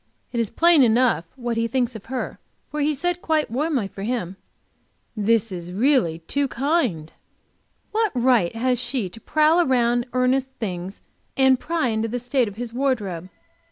It is plain enough what he thinks of her, for he said, quite warmly, for him "This is really too kind." What right has she to prowl round among Ernest's things and pry into the state of his wardrobe?